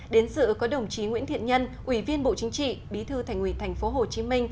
đến sự có đồng chí nguyễn thiện nhân ủy viên bộ chính trị bí thư thành ủy tp hcm